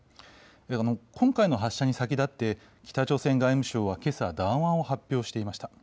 今回の発射に先立って北朝鮮外務省はけさ談話を発表していました。